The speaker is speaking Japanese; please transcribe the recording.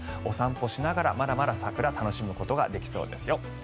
お散歩しながらまだまだ桜を楽しむことができそうですよ。